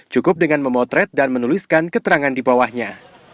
cukup dengan memotret dan menuliskan keterangan di bawahnya